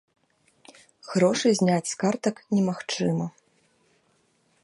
Грошы зняць з картак немагчыма.